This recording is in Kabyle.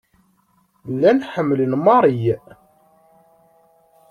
Llan ḥemmlen Mary.